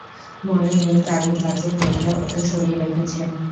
মনে নেই কারণ কাজের মেয়টা ওটা সরিয়ে রেখেছে।